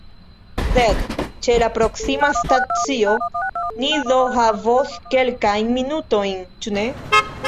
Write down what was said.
Sed ĉe la proksima stacio ni do havos kelkajn minutojn, ĉu ne?